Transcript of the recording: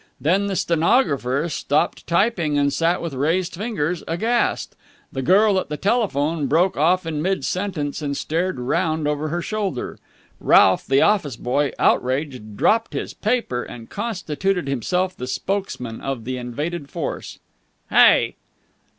Then the stenographer stopped typing and sat with raised fingers, aghast. The girl at the telephone broke off in mid sentence and stared round over her shoulder. Ralph, the office boy, outraged, dropped his paper and constituted himself the spokesman of the invaded force. "Hey!"